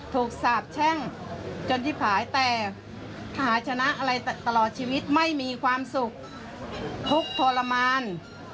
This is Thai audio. สาบแช่งจนที่ผายแต่หาชนะอะไรตลอดชีวิตไม่มีความสุขทุกข์ทรมาน